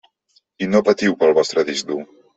I no patiu pel vostre disc dur.